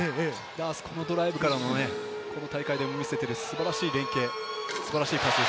あそこのドライブからの、この大会で見せている素晴らしい連係。